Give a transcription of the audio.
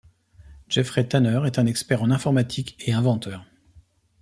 Jeffrey Tanner est un expert en informatique et inventeur.